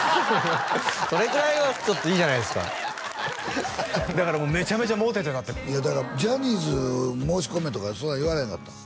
それくらいはちょっといいじゃないですかだからもうめちゃめちゃモテてたっていやジャニーズ申し込めとかそんなん言われんかったん？